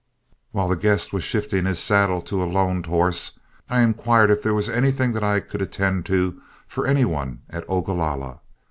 While the guest was shifting his saddle to a loaned horse, I inquired if there was anything that I could attend to for any one at Ogalalla.